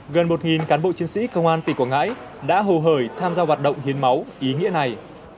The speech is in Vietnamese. gần một cán bộ chiến sĩ công an tỉnh quảng ngãi đã hồ hời tham gia hoạt động hiến máu ý nghĩa này